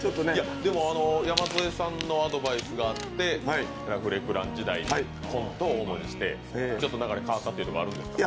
山添さんのアドバイスがあってラフレクラン時代ちょっと流れ変わったというところあるんですか？